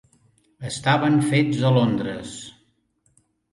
Estaven fets a Londres.